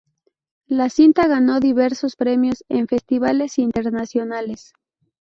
La cinta ganó diversos premios en festivales internacionales.